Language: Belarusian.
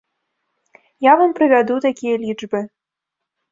Я вам прывяду такія лічбы.